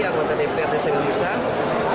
anggota dpr di seluruh nusa